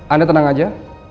anda tenang aja